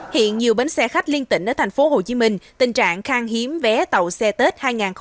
hiện nhiều bến xe khách liên tịnh ở tp hcm tình trạng khang hiếm vé tàu xe tết hai nghìn hai mươi bốn